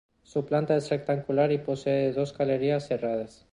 Su Planta es rectangular y posee dos galerías cerradas.